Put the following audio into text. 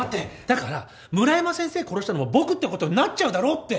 だから村山先生殺したのも僕ってことになっちゃうだろって！